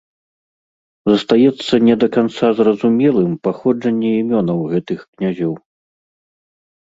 Застаецца не да канца зразумелым паходжанне імёнаў гэтых князёў.